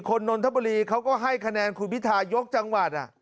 นนทบุรีเขาก็ให้คะแนนคุณพิทายกจังหวัด